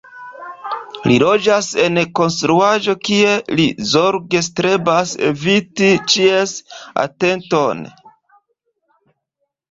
Li loĝas en konstruaĵo kie li zorge strebas eviti ĉies atenton.